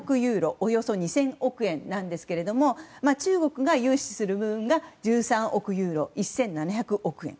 およそ２０００億円なんですが中国が融資する分が１３億ユーロ１７００億円。